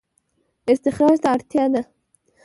استخراج ته اړتیا ده